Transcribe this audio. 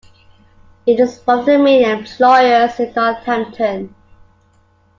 It is one of the main employers in Northampton.